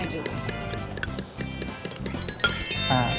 ได้